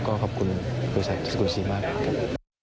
ก็ขอบคุณบริษัทสกุลศรีมากครับ